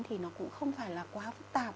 thì nó cũng không phải là quá phức tạp